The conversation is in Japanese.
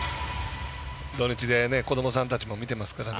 土日で子どもさんたちも見ていますから。